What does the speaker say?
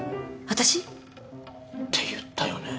私？って言ったよね？